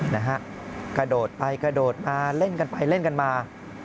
นะฮะกระโดดไปกระโดดมาเล่นกันไปเล่นกันมา